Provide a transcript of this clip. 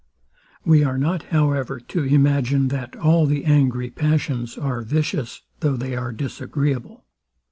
We are not, however, to imagine, that all the angry passions are vicious, though they are disagreeable.